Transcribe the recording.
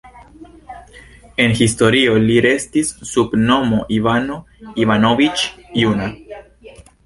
En historio li restis sub nomo "Ivano Ivanoviĉ Juna".